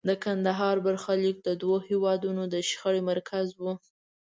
د کندهار برخلیک د دوو هېوادونو د شخړو مرکز و.